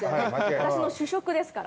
私の主食ですから。